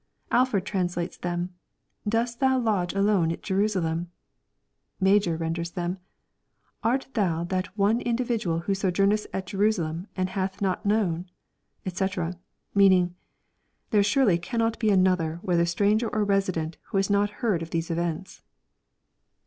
Alfbrd translates them, " Dost thou lodge alone at Jerusalem ?"— Major renders them, "Art thou that one individual who sojournest at Jerusalem, and hast not known," &c., — ^meaning, " There aure.y cannot be another, whether stranger or resident, who has not heard of these events." 504 EXPOSITORY THOUGHTS.